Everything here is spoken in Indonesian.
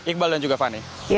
iqbal dan juga fani